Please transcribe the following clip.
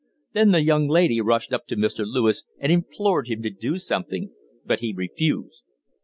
Then the young lady rushed up to Mr. Lewis and implored him to do something, but he refused.